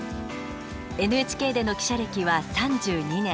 ＮＨＫでの記者歴は３２年。